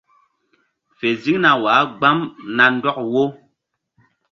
Fe ziŋna wah gbam na ndɔk wo.